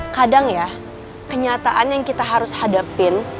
kadang ya kenyataan yang kita harus hadapin